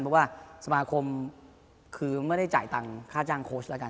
เพราะว่าสมาคมคือไม่ได้จ่ายตังค่าจ้างโค้ชแล้วกัน